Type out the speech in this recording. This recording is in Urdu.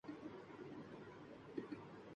تیرے جواہرِ طُرفِ کلہ کو کیا دیکھیں!